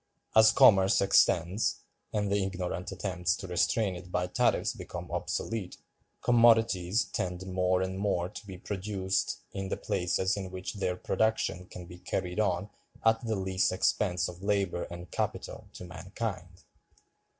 As commerce extends, and the ignorant attempts to restrain it by tariffs become obsolete, commodities tend more and more to be produced in the places in which their production can be carried on at the least expense of labor and capital to mankind.